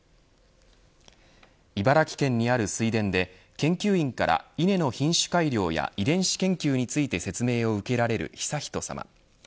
茨城県にある水田で、研究員から稲の品種改良や遺伝子研究について説明を受けられる悠仁さま。